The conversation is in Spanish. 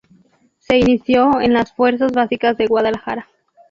Se inició en las fuerzas básicas del Guadalajara.